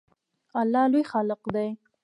الله لوی خالق دی